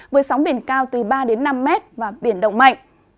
với sóng biển cao từ ba đến năm mét và biển động mạnh